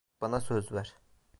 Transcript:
Bana söz ver.